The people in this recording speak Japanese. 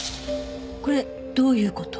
これどういう事？